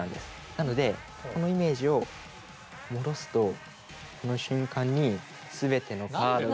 なのでこのイメージを戻すとこの瞬間に全てのカードが。